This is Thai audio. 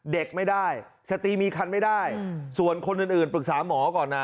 เด็กไม่ได้สตีมีคันไม่ได้ส่วนคนอื่นปรึกษาหมอก่อนนะ